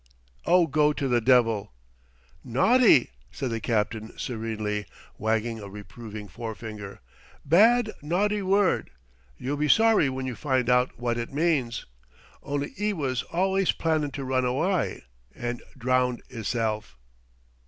"Oh, go to the devil!" "Naughty!" said the captain serenely, wagging a reproving forefinger. "Bad, naughty word. You'll be sorry when you find out wot it means.... Only 'e was allus plannin' to run awye and drownd 'is self."...